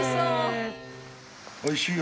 おいしいよ。